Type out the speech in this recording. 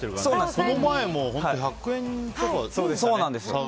この前も１００円差とかね。